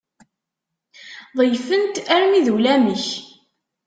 Ḍeyyfen-t armi d ulamek.